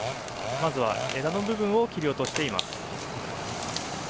まずは枝の部分を切り落としています。